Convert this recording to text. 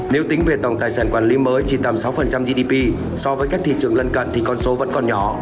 nếu tính về tổng tài sản quản lý mới chỉ tầm sáu gdp so với các thị trường lân cận thì con số vẫn còn nhỏ